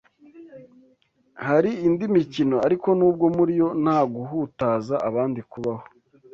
Hari indi mikino ariko nubwo muri yo nta guhutaza abandi kubaho